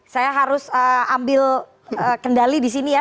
saya harus ambil kendali disini ya